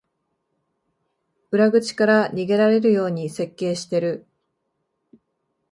裏口から逃げられるように設計してる